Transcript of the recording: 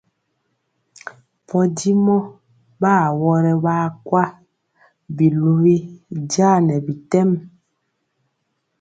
Podimɔ ɓa awɔrɛ ɓaa kwa, biluwi jaa nɛ bitɛm.